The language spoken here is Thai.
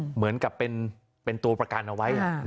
เหมือนกับเป็นตัวประกันเอาไว้